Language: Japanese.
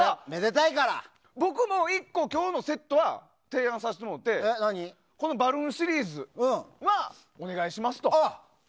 僕も１個、今日のセットは提案させてもらってバルーンシリーズはお願いしますと。